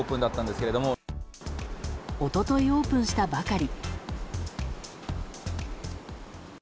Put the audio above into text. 一昨日オープンしたばかり。